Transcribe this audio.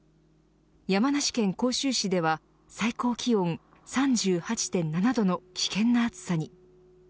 山梨県甲州市では最高気温３８．７度の危険な暑さに。